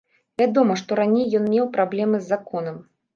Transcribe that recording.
Вядома, што раней ён меў праблемы з законам.